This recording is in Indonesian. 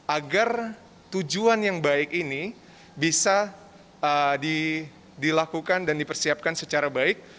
agar tujuan yang baik ini bisa dilakukan dan dipersiapkan secara baik